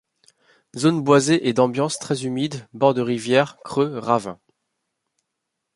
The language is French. Zones boisées et d'ambiance très humides, bord de rivière, creux, ravins.